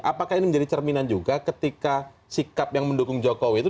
apakah ini menjadi cerminan juga ketika sikap yang mendukung jokowi itu